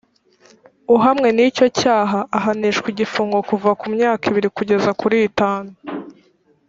uhamwe n’icyocyaha ahanishwa igifungo kuva ku myaka ibiri kugeza kuri itanu